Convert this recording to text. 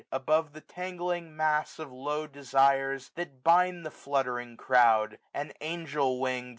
Above the tangling mass q£ low desires. That bind the fluttering crowd ; and^ angelwwing'd